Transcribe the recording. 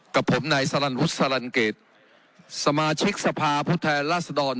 กับผมนายสรเกรษสมาชิกสภาพุทธแทนราศดร